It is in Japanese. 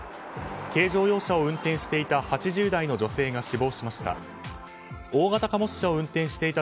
軽乗用車を運転していた８０代の女性が死亡しました。